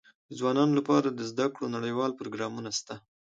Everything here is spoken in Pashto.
د ځوانانو لپاره د زده کړو نړيوال پروګرامونه سته.